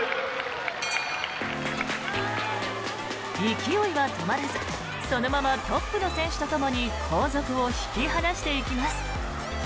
勢いは止まらずそのままトップの選手とともに後続を引き離していきます。